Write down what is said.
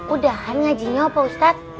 udahan ngajinya pak ustadz